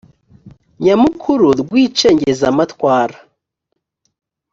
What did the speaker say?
nyamukuru rw icengezamatwara